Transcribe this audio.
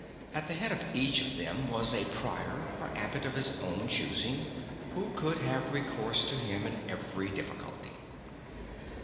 At the head of each of them was a Prior or Abbot of his own choosing, who could have recourse to him in every difficulty.